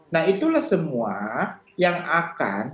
nah itulah semua yang akan